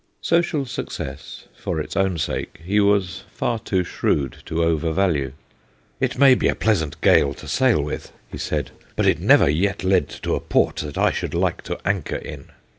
Social success, for its own sake, he was far too shrewd to over value :' It may be a pleasant gale to sail with/ he said, 'but it never yet led to a port that I should like to anchor in.'